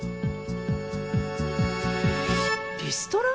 リストラ？